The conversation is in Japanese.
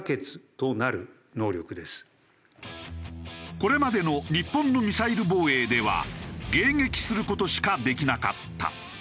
これまでの日本のミサイル防衛では迎撃する事しかできなかった。